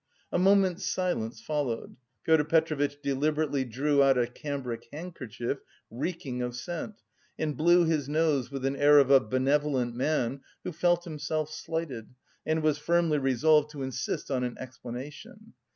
A moment's silence followed. Pyotr Petrovitch deliberately drew out a cambric handkerchief reeking of scent and blew his nose with an air of a benevolent man who felt himself slighted, and was firmly resolved to insist on an explanation.